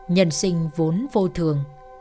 nhân sinh vốn vô thường